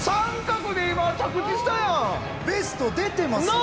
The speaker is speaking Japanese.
ベスト出てますよね。